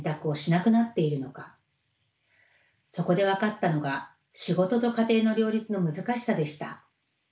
そこで分かったのが仕事と家庭の両立の難しさでした。